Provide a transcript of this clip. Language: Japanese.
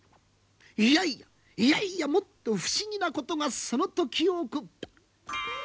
いやいやいやいやもっと不思議なことがその時起こった。